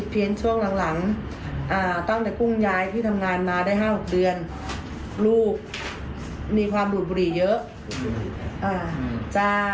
เดี๋ยวลองฟังแม่เขาดูนะฮะ